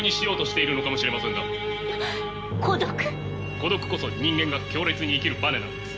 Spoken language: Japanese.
孤独こそ人間が強烈に生きるバネなのです。